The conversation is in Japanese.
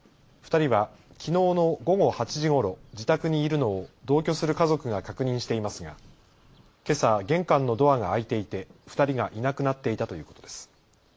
２人はきのうの午後８時ごろ自宅にいるのを同居する家族が確認していますがけさ玄関のドアが開いていて２人がいなくなっていたということです。